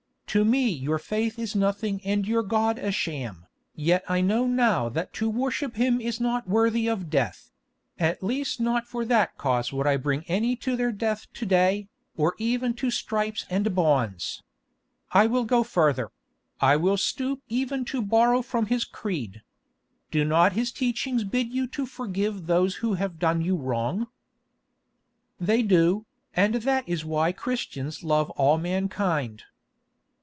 To me your faith is nothing and your God a sham, yet I know now that to worship Him is not worthy of death—at least not for that cause would I bring any to their death to day, or even to stripes and bonds. I will go further; I will stoop even to borrow from His creed. Do not His teachings bid you to forgive those who have done you wrong?" "They do, and that is why Christians love all mankind."